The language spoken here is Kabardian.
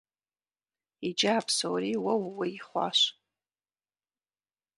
Иджы а псори уэ ууей хъуащ.